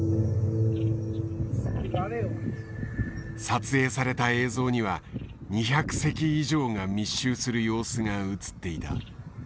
撮影された映像には２００隻以上が密集する様子が映っていた。